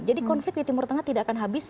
jadi konflik di timur tengah tidak akan habis